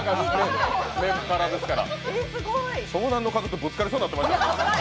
湘南乃風とぶつかりそうになってました。